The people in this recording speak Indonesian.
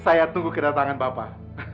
saya tunggu kedatangan bapak